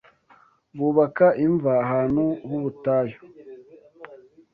bubaka Imva ahantu h'ubutayu